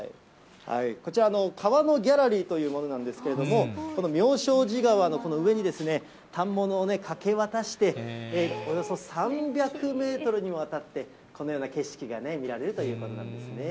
こちら、川のギャラリーというものなんですけれども、この妙正寺川の上に反物を架け渡して、およそ３００メートルにわたって、このような景色が見られるということなんですね。